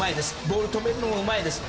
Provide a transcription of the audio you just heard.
ボール止めるのもうまいです。